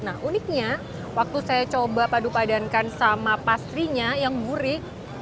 nah uniknya waktu saya coba padupadankan sama pastrinya yang gurih